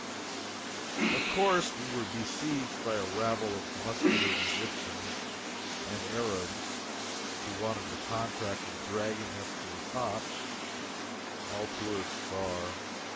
Of course we were besieged by a rabble of muscular Egyptians and Arabs who wanted the contract of dragging us to the top all tourists are.